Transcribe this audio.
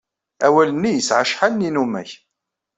Awal-nni yesɛa acḥal n yinumak.